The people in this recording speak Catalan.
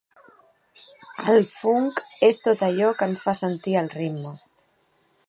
El funk és tot allò que ens fa sentir el ritme.